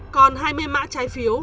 còn hai mươi mã trái phiếu